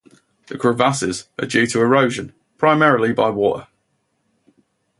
The crevasses are due to erosion, primarily by water.